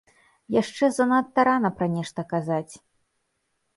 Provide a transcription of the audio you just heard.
Яшчэ занадта рана пра нешта казаць.